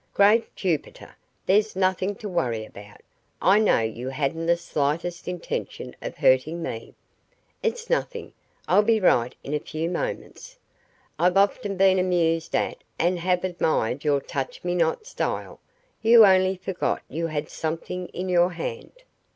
"Great Jupiter, there's nothing to worry about! I know you hadn't the slightest intention of hurting me. It's nothing I'll be right in a few moments. I've often been amused at and have admired your touch me not style. You only forgot you had something in your hand."